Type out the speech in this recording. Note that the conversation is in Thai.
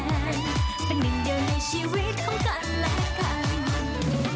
เป็นหนึ่งเดียวในชีวิตของกันและกัน